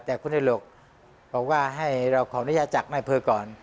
แต่คุณไอ้หลกบอกว่าให้เราขออนุญาตจากนายอำเภอก่อน